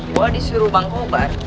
gue disuruh bangkobar